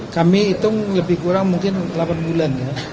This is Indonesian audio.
kami hitung lebih kurang mungkin delapan bulan ya